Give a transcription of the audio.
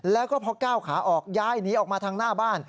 แล้วก็พอก้าวขาออกยายหนีออกมาทางหน้าบ้าน